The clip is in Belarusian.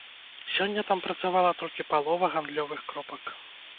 Сёння там працавала толькі палова гандлёвых кропак.